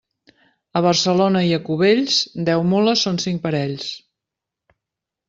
A Barcelona i a Cubells, deu mules són cinc parells.